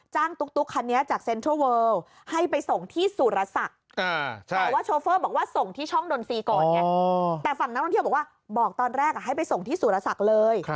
จ้างตุ๊กคันนี้จากเซ็นทรัลเวิล